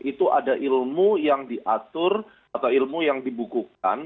itu ada ilmu yang diatur atau ilmu yang dibukukan